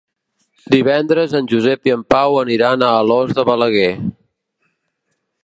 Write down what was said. Divendres en Josep i en Pau aniran a Alòs de Balaguer.